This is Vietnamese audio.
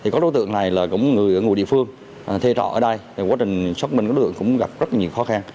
có đối tượng này là người ở ngôi địa phương thê trọ ở đây quá trình xác minh đối tượng cũng gặp rất nhiều khó khăn